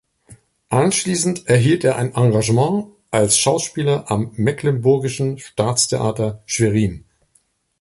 Anschließend erhielt er ein Engagement als Schauspieler am Mecklenburgischen Staatstheater Schwerin.